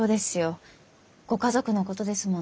ご家族のことですもの。